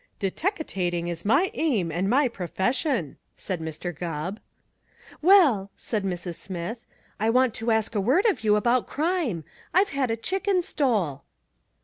"Deteckating is my aim and my profession," said Mr. Gubb. "Well," said Mrs. Smith, "I want to ask a word of you about crime. I've had a chicken stole."